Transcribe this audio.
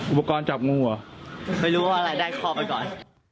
อุปกรณ์จับงูเหรอไม่รู้ว่าอะไรได้คอไปก่อน